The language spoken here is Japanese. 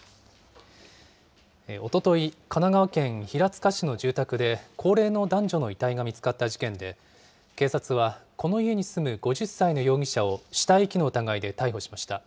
おととい、神奈川県平塚市の住宅で高齢の男女の遺体が見つかった事件で、警察は、この家に住む５０歳の容疑者を死体遺棄の疑いで逮捕しました。